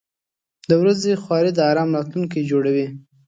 • د ورځې خواري د آرام راتلونکی جوړوي.